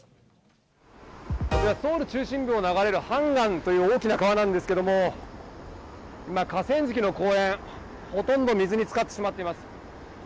こちら、ソウル中心部を流れるハンガンという大きな川なんですけれども、今、河川敷の公園、ほとんど水に浸かってしまっています。